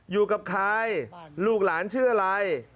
อยู่กับใครลูกหลานชื่ออะไร